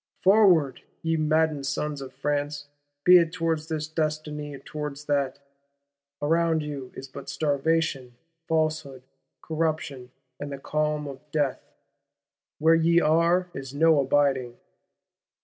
Forward, ye maddened sons of France; be it towards this destiny or towards that! Around you is but starvation, falsehood, corruption and the clam of death. Where ye are is no abiding.